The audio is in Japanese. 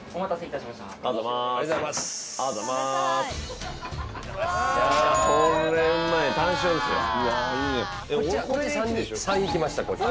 ３いきましたこれ。